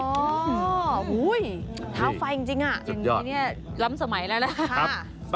อ๋อท้าวไฟจริงอ่ะอย่างนี้เนี่ยล้ำสมัยแล้วนะ